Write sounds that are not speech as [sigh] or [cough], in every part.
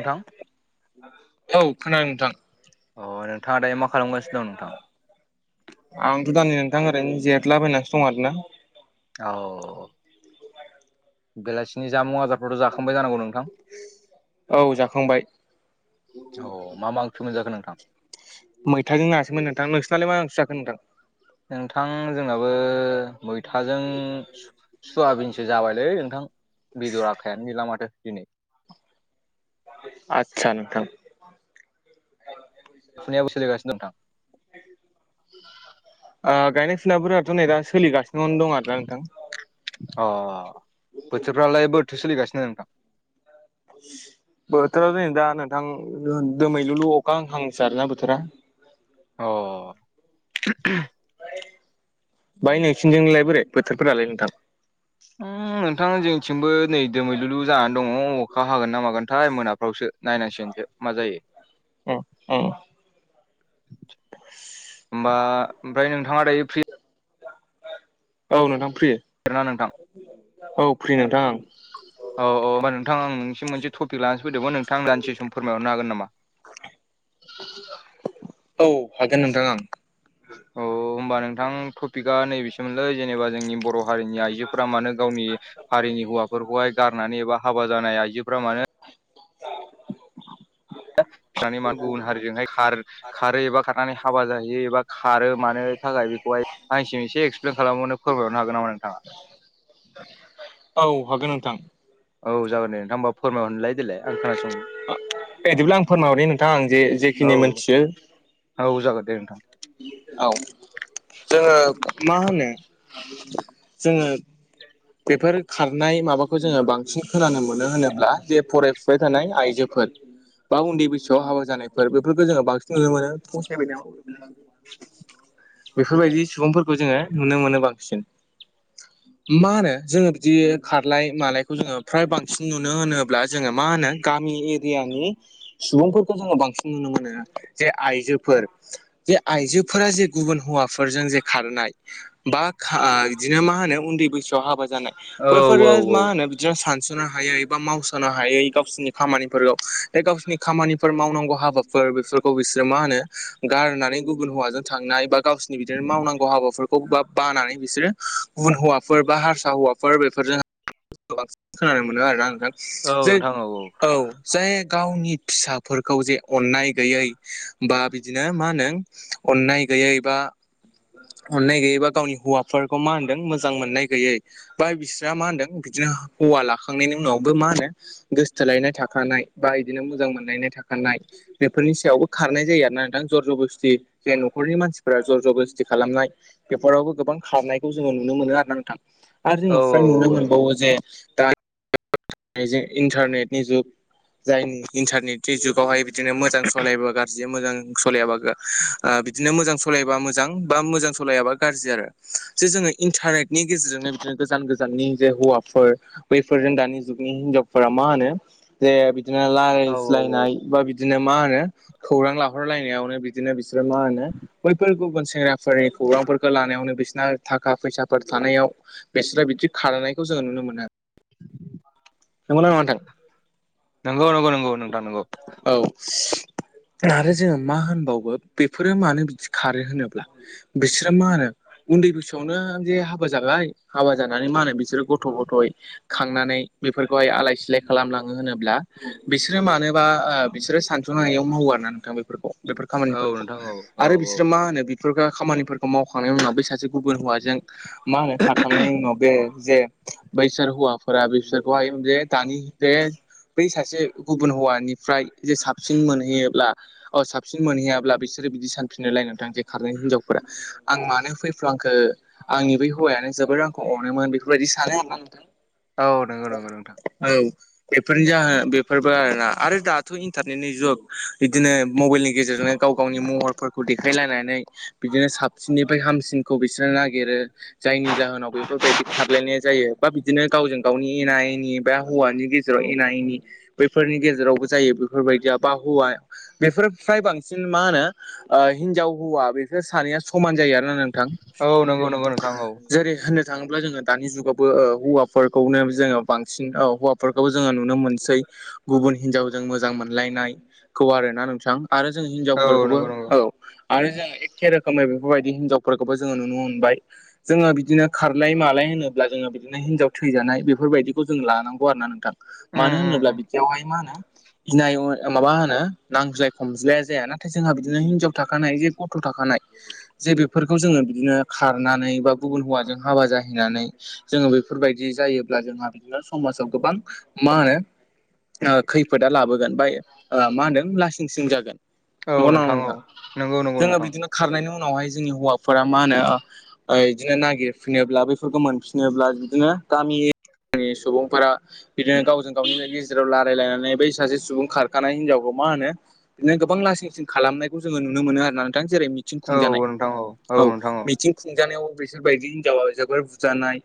नोंथां औ खोनादों नोंथां। अ नोंथाङा दायो मा खालामगासिनो दं नोंथां? आंथ' दा नै नोंथां ओरैनो जिरायदलाबायनानैसो दं आरोना। औ बेलासिनि जामुं आजारफ्रावथ' जाखांबाय जानांगौ नोंथां। औ जाखांबाय। औ मा मा ओंख्रि मोनजाखो नोंथां। मैथाजों नासोमोन नोंथां। नोंसोरनालाय मा [unintelligible] जाखो नोंथां? नोंथां जोंनाबो मैथाजों सु-सुवाबिनसो जाबायलै नोंथां बेदर आखायानो गैला माथो। दिनै। आदसा नोंथां। फुनायावबो सोलिगासानो दं। नोंथां ओ गायनाय फुनायफोराथ' नै दा सोलिगासिनो दं आरो दा नोंथां। अ बोथोरफ्रालाय बोरैथो सोलिगासिनो नोंथां? बोथोर नै दा नोंथां दोमैलुलु अखा हाहां हाहांसो जादोना बोथोरा अ बाय नोंसिनिजोंलाय बोरै बोथोरफोरालाय नोंथां? उम नोंथां जोंथिंबो नै दोमैलुलु जानानै दङ अखा हागोन ना मागोनथाय मोनाफ्रावसो? नायनांसिगोनसो मा जायो। उम उम। उमबा ओमफ्राय नोंथाङा दायो फ्रि औ नोंथां फ्रि। ना नोंथां। औ फ्रि नोंथां आं। औ औ ओमबा नोंथां आं नोंनिसिम मोनसे थपिक लानोसो फैदोंमोन। नोंथां आंनो दानदिसे सम फोरायहरनो हागोन नामा? औ हागोन नोंथां आं। औ होमबा नोंथां थपिकआ नैबेसोमोनलै जेनेबा जोंनि बर' हारिनि आइजोफ्रा मानो गावनि हारिनि हौवाफोरखौहाय गारनानै एबा हाबा जानाय आइजोफ्रा मानो दा फिसानि मान गुबुन हारिजोंहाय खार खारो एबा खारनानै हाबा जाहैयो एबा खारो मानो थाखाय बेखौहाय आंसिम एसे एक्सप्लेन खालामबावना फोरमायहरनो हागोन नामा नोंथाङा? औ हागोन नोंथां औ जागोन दे नोंथां होनबा फोरमायहरनिलाय देलाय आं खोनासंनि बिदिब्ला आं फोरमायरदों नोंथाङा आं जे जेखिनि मोनथियो। औ औ जागोन दे नोंथां औ जोङो मा होनो जोङो बेफोर खारनाय माबाखौ जोङो बांसिन खोनानो मोनो होनोब्ला जे फरायफुबाय थानाय आइजोफोर बा उन्दै बैसोआव हाबा जानायफोर बेफोरखौ जोङो बांसिन नुनो मोनो। बेफोरबायदि सुबुंफोरखौ जोङो नुनो मोनो बांसिन मा होनो जोङो बिदि खारलाय मालाय खौ जोङो फ्राय बांसिन नुनो होनोब्ला जोङो मा होनो गामि एरियानि सुबुंफोरखौ जोङो बांसिन नुनो मोनो जे आइजोफोर जे आइजोफोरा जे गुबुन हौवाफोरजों जे खारनाय बा बिदिनो मा होनो उन्दै बैसोआव हाबा जानाय औ बैफोर औ औ मा होनो जों सानस'नो हायै बा मावस'नो हायै गावसोरनि खामानिफोरखौ ए गावसोरनि खामानिफोर मावनांगौ हाबाफोर बेफोरखौ बिसोरो मा होनो गारनानै गुबुन हौवाजों थांनाय बा गावसोरनि बिदिनो मावनांगौ हाबाफोरखौ बा बानानै बिसोरो गुबुन हौवाफोर बा हारसा हौवाफोर बेफोरजों गोबां खोनानो मोनो आरोना नोंथां जे औ जाय गावनि फिसाफोरखौ जे अन्नाय गैयै बा बिदिनो मा होनो अननाय गैयै बा अननाय गैयै बा गावनि हौवाफोरखौ मा होनदों मोजां मोननाय गैयै बा बिसोरा मा होन्दों बिदिनो हौवा लाखांनायनि उनावबो मा होनो गोसोथोलायनाय थाखानाय बा बिदिनो मोजां मोनलायनाय थाखानाय बेफोरनि सायावबो खारनाय जायो आरो ना नोंथां जरज'बस्थि जे न'खरनि मानसिफोरा जरजबस्ति खालामनाय बेफोरावबो गोबां खारनायखौ जोङो नुनो मोनो आरो ना नोंथां? आरो औ जोङो फ्राय नुनो औ नंगौ मोनबावो जे दा दायो जे इन्टारनेटनि जुग जायनि इन्टारनेटनि जुगावहाय बिदिनो मोजां सलायबोगा बिदि मोजां सलायाबा बिदिनो मोजां सालायबा मोजां बा मोजां सलायाबा गाज्रि आरो। जे जोङो इन्टारनेटनि गेजेरजोंनो बिदिनो गोजान गोजाननि जे हौवाफोर बैफोरजों दानि जुगनि हिनजावफोरा मा होनो जे बिदिनो औ औ औ रायलायज्लायनाय बा बिदिनो मा होनो खौरां लाहरलायनायावनो बिदिनो बिसोरो मा होनो बैफोर गुबुन सेंग्रा फोरनि खौरांफोरखौ लानायावनो बिसोना थाखा फैसाफोर थानायाव बेस्रा बिदि खारनायखौ जोङो नुनो मोनो आरो। नंगौ नङा नोंथां नंगौ नंगौ नोंथां नंगौ औ आरो जोङो मा होनबावो बेफोरो मानो बिदि खारो होनोब्ला बिसोरो मा होनो उन्दै बैसोआवनो जे हाबा जाबाय हाबा जानानै मा होनो बिसोरो गथ' गथ'य खांनानै बेफोरखौहाय आलाय सिलाय खालामलाङो होनोब्ला बिसोरो मानो बा बिसोरो सानस'नो हायैयाव मावो आरो ना नोंथां बेफोरखौ बेफोर औ खामानिफोरखौ नोंथां औ औ आरो बिसोरो मा होनो फोरखो खामानिफोरखौ मावखांनायनि उनाव बै सासे गुबुन हौवाजों मा होनो खारखांनायनि उनाव बे जे बैसोर हौवा फोरा बिसोरखौहाय जे दानि बे बै सासे गुबुन हौवानिफ्राय जे साबसिन मोनहैयोब्ला अ साबसिन मोनहैयाब्ला बिसोरो बिदि सानफिननोलाय नोंथां खारनाय हिनजावफोरा आं मानो फैफ्लांखो आंनि बै हौवायानो जोबोद रांखौ अनोमोन बेफोरबायदि सानो आरो। औ नंगौ नंगौ नोंथां। औ बेफोरनि जाहोन बेफोरबो आरोना आरो दाथ' इन्टारनेटनि जु बिदिनो मबाइलनि गेजेरजोंनो गाव गावनि महर फोरखौ देखायलायनानै बिदिनो साबसिननिफ्राय हामसिनखौ बिसोरो नागिरो जायनि जाहोनाव बेफोरबायदि खारलायनाय जायो बा बिदिनो गावजों गावनि एना एनि बा हौवानि गेजेराव एना एनि बैफोरनि गेजेरावबो जायो बेफोरबायदिया बा हौवाया बेफोर फ्राय बांसिन मा होनो हिनजाव हौवा बे बे सानैया समान जायो आरोना नोंथां औ नंगौ नंगौ नोंथां औ जेरै होननो थाङोब्ला जोङो दानि जुगावबो हौवाफोरखौनो जोङो बांसिन हौवाफोरखौबो जोङो नुनो मोनसै। गुबुन हिनजावजों मोजां मोनलायनायखौ आरोना नोंथां आरो जों औ हिनजावफोरखौबो नंगौ नंगौ औ। आरो जों एखे रोखोमै बेफोरबायदि हिनजावफोरखौबो जोङो नुनो मोनबाय। जोङो बिदिनो खारलाय मालाय होनोब्ला जोङो बिदिनो हिनजाव थैजानाय बेफोरबायदिखौ जों लानांगौ आरो ना नोंथां। उम मानो उम होनोब्ला उम बिदियावहाय मा होनो [inaudible] गनाय माबा होनो नांज्लाय खमज्लाया जाया नाथाय जोंहा बिदिनो हिनजाव थाखानाय जे गथ' थाखानाय जे बेफोरखौ जोङो बिदिनो खारनानै बा गुबुन हौवाजों हाबा जाहैनानै जोङो बेफोरबायदि जायोब्ला जोंहा बिदिनो समाजाव गोबां मा होनो खैफोदा लाबोगोन बाय मा होनदों लासिं सिं जागोन। औ नंगौ ना औ नोंथां नंगौ नंगौ जोङो नोंथां बिदिनो खारनायनि उनावहाय जोंनि हौवाफोरा मा होनो बिदिनो नागिरफिनोब्ला बेफोरखौ मोनफिनोब्ला बिदिनो गामिनि सुबुंफोरा बिदिनो गावजों गावनि गेजेराव रायलायनानै बै सासे सुबुं खारखानाय हिनजावखौ मा होनो बिदिनो गोबां लाांसिंसिं खालामनायखौ जोङो नुनो मोनो आर नोंथां जेरै- मिथिं खुंजानाय औ मिथिं खुंजानायाव बिसोरबायदि हिनजावा जोबोर बुजानाय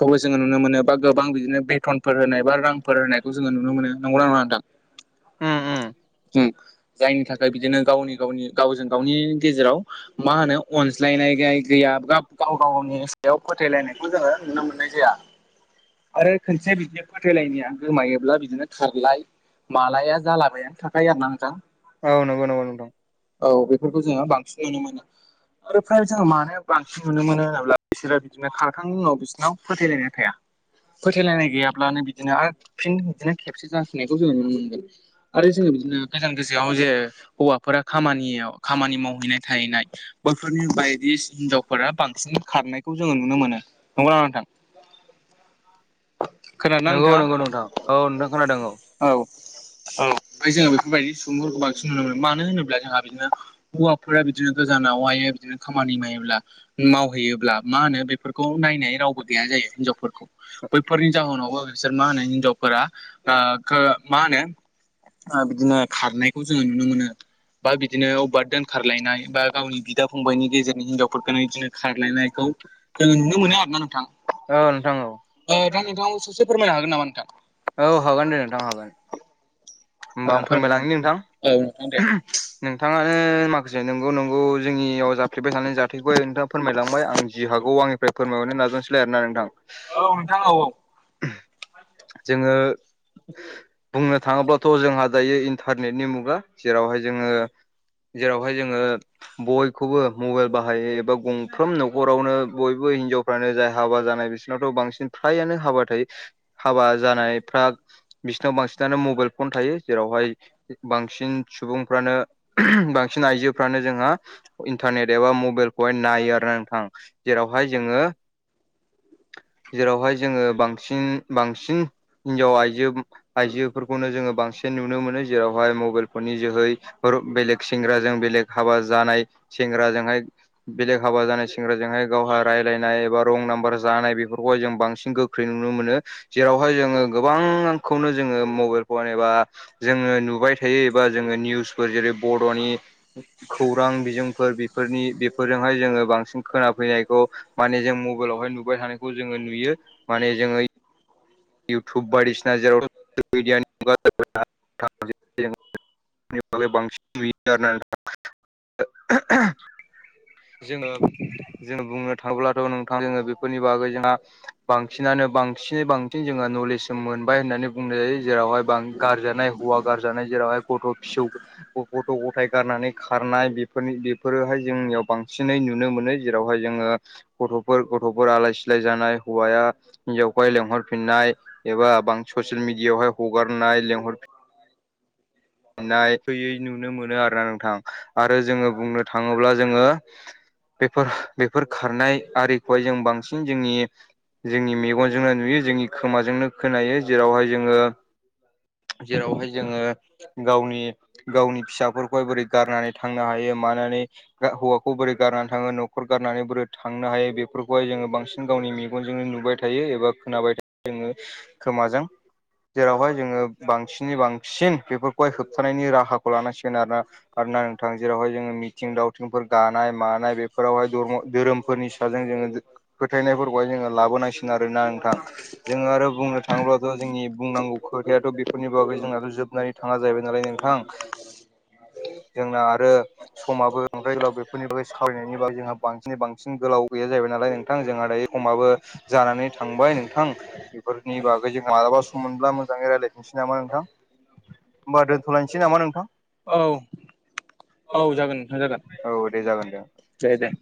खौबो जोङो नुनो मोनो बा गोबां बिदिनो बेथनफोर होनाय बा रांफोर होनायखौ जोङो नुनो मोनो। नोंगौ ना नङा नोंथां? उम उम जायनि थाखाय बिदिनो गावनि गावनि गावजों गावनि गेजेराव मा होनो अनज्लायनाय गाय गैया गाव गावनि सायाव फोथायलायनायखौ जोङो नुनो मोननाय जाया। आरो खनसे बिदिनो फोथायलायनाया गोमायोब्ला बिदिनो खारलाय मालाया जालाबायानो थाखाय आरो नोंथां। औ नंगौ नंगौ नोंथां औ बेफोरखौ जोङो बांसिन नुनो मोनो आरो फ्राय जोङो मानो बांसिन नुनो मोनो होनोब्ला बिसोरो बिदिनो खारखांनायनि उनाव बिसोरनाव फोथायलायना थाया। फोथायलायनाय गैयाब्लानो बिदिनो आरो फिन बिदिनो खेबसे जाफिनायखौ जोंङो नुनो मोनगोन। आरो जोङो बिदिनो गोजान गोजोआव जे हौवाफोरा खामानियाव खामानि मावहैनाय थाहैनाय बैफोरनि बायदि हिनजावफोरा बांसिन खारनायखौ जोङो नुनो मोनो नंगौना नङा नोंथां? खोनादोंना नंगौ नोंथाङा नंगौ नोंथां औ नोंथां खोनादों औ। औ औ ओमफ्राय जोङो बेफोरबायदि सुबुंफोरखौ बांसिन नुनो मोनो मानो होनोब्ला जोंहा बिदिनो हौवाफोरा बिदिनो गोजानाववायो बिदिनो खामानि मायोब्ला मावहैयोब्ला मा होनो बेफोरखौ नायनाय रावबो गैया जायो हिनजावफोरखौ। बैफोरनि जाहोनावबो बिसोर मा होनो हिनजावफोरा मा होनो बिदिनो खारनायखौ जोङो नुनो मोनो। बा बिदिनो अबेबा दोनखारलायनाय बा गावनि बिदा फंबायनि गेजेरजों हिनजावफोरखौनो बिदिनो खारलायनायखौ जोङो नुनो मोनो आरोना नोंथां। औ नोंथां औ। दा नोंथांाव सासे फोरमायनो हागोन नामा नोंथां? औ हागोन दे नोंथां हागोन। होमबा आं फोरमाय फोरमायलांनि नोंथां औ नोंथां दे नोंथाङानो माखासे नंगौ नंगौ जोंनियाव जाफ्लेबाय थानाय जाथायखौहाय नोंथाङा फोरमायलांबाय आं जि हागौ आंनिफ्राय फोरमायहरनो नाजावसैलाय आरोना नोंथां। औ नोंथां औ जोङो बुंनो थाङोब्ला जोंहा दायो इन्टारनेटनि मुगा जेरावहाय जोङो जेरावहाय जोङो बयखौबो मबाइल बाहायो एबा गंफ्रोम न'खरावनो बयबो हिनजाव फानो जाय हाबा जानाय बिसिरनावथ' बांसिन फ्रायानो हाबा थायो। हाबा जानायफ्रा बिसिरनाव बांसिनानो मबाइल फन थायो जेरावहाय बांसिन सुबुंफ्रानो बांसिन आइजोफ्रानो जोंहा इन्टारनेट एबा मबाइल बेवहाय नायो आरोना नोंथां जेरावहाय जोङो। जेरावहाय जोङो बांसिन बांसिन हिनजाव आइजो आइजोफोरखौनो जोङो बांसिन नुनो मोनो जेरावहाय मबाइल फननि जोहै बेलेग सेंग्राजों बेलेग हाबा जानाय सेंग्राजोंहाय बेलेग हाबा जानाय सेंग्राजोंहाय गावहा राय्लायनाय एबा रं नाम्बार जानाय बेफोरखौहाय जों बांसिन गोख्रै नुनो मोनो। जेरावहाय जोङो गोबां आंखौनो जोङो मबाइल मेबा जोङो नुबाय थायो एबा जोङो निउसफोर जेरै बर'नि खौरां बिजोंफोर बेफोरनि बेफोरजोंहाय जोङो बांसिन खोना फैनायखौ माने जों मबाइलावहाय नुबाय थानायखौ जों नुयो माने जोङो इउटुब बायदिसिना जेराव [unintelligible] मिडियानि [unintelligible] [inaudible] जोङो जोङो बुंनो थाङोब्लाथ' नोंथां जोङो बेफोरनि बागै जोंहा बांसिनानो बांसिनै बांसिन जोङो नलेज मोनबाय होननानै बुंनाय जायो जेरावहाय बां गारजानाय हौवा गारजानाय जेरावहाय गथ' फिसौ गथ' गथाय गारनानै खारनाय बेफोरनि बेफोरोहाय जोंनियाव बांसिनै नुनो मोनो जेरावहाय जोङो गथ'फोर गथ'फोर आलाय सिलाय जानाय हौवाया हिनजावखौहाय लेंहरफिननाय एबा बां ससियेल मिडियावहाय हगारनाय लेंहरफिन अनाय फैयै नुनो मोनो आरोना नोंथां आरो जोङो बुंनो थाङोब्ला जोङो बेफोर बेफोर खारनाय आरिखौहाय जों बांसिन जोंनि जोंनि मेगनजोंनो नुयो जोंनि खोमाजोंनो खोनायो जेरावहाय जोङो जेरावहाय जोङो गावनि गावनि फिसाफोरखौहाय बोरै गारनानै थांनो हायो मानानै हौवाखौ बोरै गारनानै थाङो न'खर गारनानै बोरै थांनो हायो बेफोरखौहाय जोङो बांसिन गावनि मेगनजोंनो नुबाय थायो एबा खोनाबाय थायो जोङो खोमाजों। जेरावहाय जोङो बांसिनै बांसिन बेफोरखौहाय होबथानायनि राहाखौ लानांसिगोन आरोना। आरो ना नोंथां जेरावहाय जोङो मिथिं दावथिंफोर गानाय मानाय आरो बेवहाय धोरोमफोरनि साजों जों फोथायनाय जों लाबोनांसिगौ। आरोना नोंथां जोङो आरो बुंनो थाङोब्लाथ' जोंनि बुंनांगौखौ दायाथ' बेफोरनि बागै जोंनाथ' जोबनानै थाङा जाहैबाय नालाय नोंथां। जोंना आरो समाबो बांद्राय गोलाव बेफोरनि बागै सावरायनायनि बागै जोंहा बांसिनै बांसिन गोलाव गैया जाहै नालाय नोंथां जोंहा दायो। समाबो जानानै थांबाय नोंथां। बेफोरनि बागै जों मालाबा सम मोनब्ला मोजाङै रायलायफिनसै नामा नोंथां? होनोमबा दोनथ'लायनोसै नामा नोंथां? औ औ जागोन नोंथां जागोन औ दे जागोन दे। दे दे।